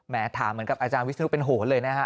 ถามเหมือนกับอาจารย์วิศนุเป็นโหนเลยนะฮะ